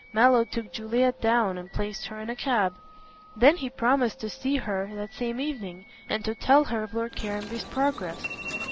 Mallow took Juliet down and placed her in a cab. Then he promised to see her that same evening, and to tell her of Lord Caranby's progress.